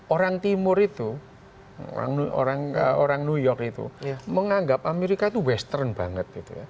orang timur itu orang new york itu menganggap amerika itu western banget